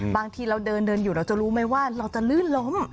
บางทีเราเดินเดินอยู่เราจะรู้ไหมว่าเราจะลื่นล้ม